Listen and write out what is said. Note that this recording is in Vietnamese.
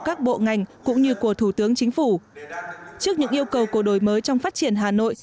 các bộ ngành cũng như của thủ tướng chính phủ trước những yêu cầu của đổi mới trong phát triển hà nội